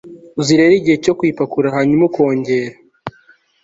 uzi rero igihe cyo kuyipakurura, hanyuma ukongera